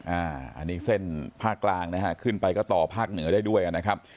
อันนี้เส้นภาคกลางนะฮะขึ้นไปก็ต่อภาคเหนือได้ด้วยนะครับ